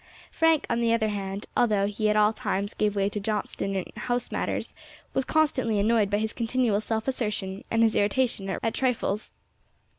Frank, on the other hand, although he at all times gave way to Johnstone in house matters, was constantly annoyed by his continual self assertion and his irritation at trifles.